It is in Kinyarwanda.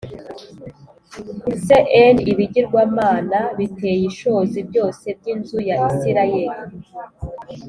C N Ibigirwamana Biteye Ishozi Byose By Inzu Ya Isirayeli